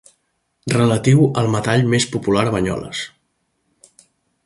Relatiu al metall més popular a Banyoles.